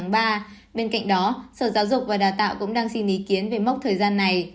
bên cạnh đó sở giáo dục và đào tạo cũng đang xin ý kiến về mốc thời gian này